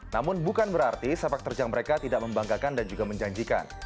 namun bukan berarti sepak terjang mereka tidak membanggakan dan juga menjanjikan